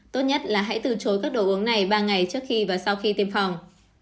tốt nhất là hãy từ chối các đồ uống này ba ngày trước khi và sau khi tiêm phòng